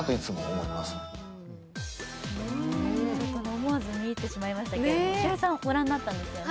思わず見入ってしまいましたけれど栞里さん、ご覧になったんですよね。